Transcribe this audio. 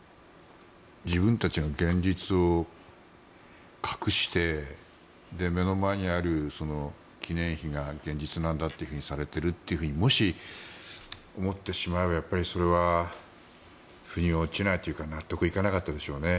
自分たちの現実を隠して目の前にある記念碑が現実だとされているともし、思ってしまえばやっぱりそれは腑に落ちないというか納得いかなかったでしょうね。